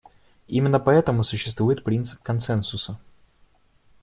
Именно поэтому существует принцип консенсуса.